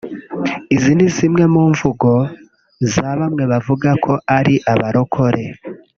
Izi ni zimwe mu mvugo za bamwe bavuga ko ari abarokore